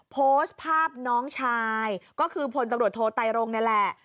โพสต์ภาพน้องชายก็คือพลตำรวจโทไตรรงนี่แหละ